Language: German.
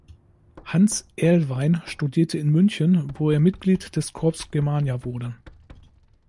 Hans Erlwein studierte in München, wo er Mitglied des Corps Germania wurde.